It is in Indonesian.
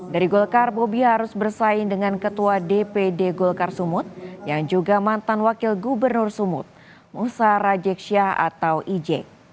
dari golkar bobi harus bersaing dengan ketua dpd golkar sumut yang juga mantan wakil gubernur sumut musa rajeksyah atau ij